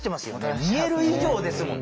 見える以上ですもんね。